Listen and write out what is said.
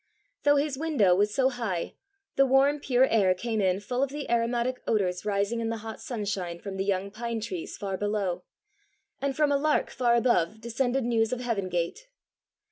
Though his window was so high, the warm pure air came in full of the aromatic odours rising in the hot sunshine from the young pine trees far below, and from a lark far above descended news of heaven gate.